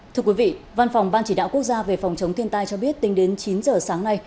thưa quý vị văn phòng ban chỉ đạo quốc gia về phòng chống thiên tai cho biết tính đến chín giờ sáng nay